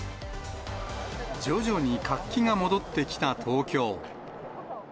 徐々に活気が戻ってきた東京。